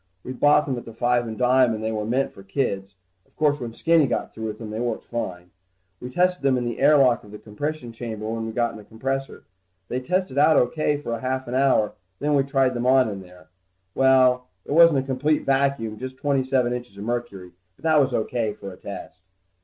We bought them at the five and dime, and they were meant for kids. Of course when Skinny got through with them, they worked fine. We tested them in the air lock of the compression chamber when we got the compressor in. They tested out pretty good for a half hour, then we tried them on in there. Well, it wasn't a complete vacuum, just twenty seven inches of mercury, but that was O.K. for a test.